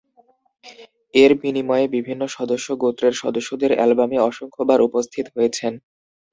এর বিনিময়ে বিভিন্ন সদস্য গোত্রের সদস্যদের অ্যালবামে অসংখ্যবার উপস্থিত হয়েছেন।